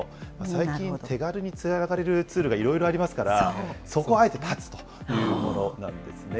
最近、手軽につながれるツールがいろいろありますから、そこをあえて断つというものなんですね。